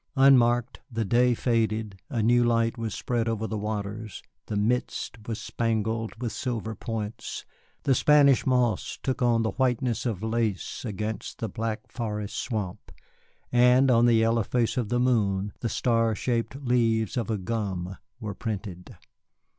Unmarked, the day faded, a new light was spread over the waters, the mist was spangled with silver points, the Spanish moss took on the whiteness of lace against the black forest swamp, and on the yellow face of the moon the star shaped leaves of a gum were printed.